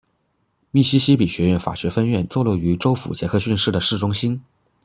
密西西比学院法学分院坐落于州府杰克逊市的市中心。